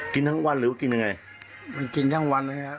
กินทั้งวันเลยครับ